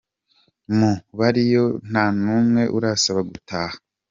Mu bariyo nta n’umwe urasaba gutaha.